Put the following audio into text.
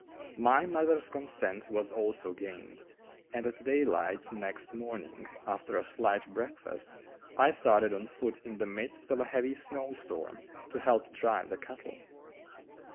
My mother's consent was also gained, and at daylight next morning, after a slight breakfast, I started on foot in the midst of a heavy snow storm to help drive the cattle.